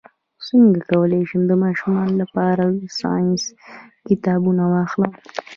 څنګه کولی شم د ماشومانو لپاره د ساینس کتابونه واخلم